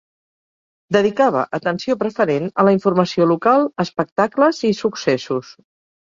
Dedicava atenció preferent a la informació local, espectacles i successos.